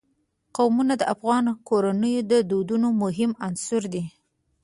قومونه د افغان کورنیو د دودونو مهم عنصر دی.